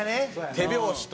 手拍子と。